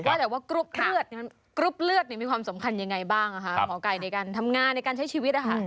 ว่าแต่ว่ากรุ๊ปเลือดมีความสำคัญอย่างไรบ้างหมอคุกไก่ในการทำงานในการใช้ชีวิต